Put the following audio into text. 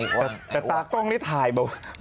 แต่ตาก้งนี่ถ่ายโว้ย